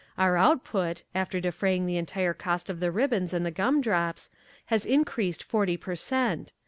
Our output, after defraying the entire cost of the ribbons and the gum drops, has increased forty per cent.